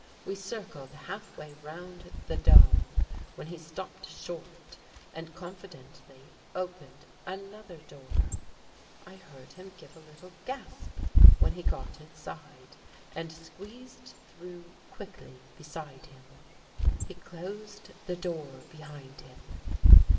We circled halfway round the dome, when he stopped short and confidently opened another door. I heard him give a little gasp when he got inside, and squeezed through quickly beside him. He closed the door behind him.